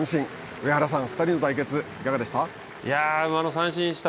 上原さん、２人の対決いかがでした？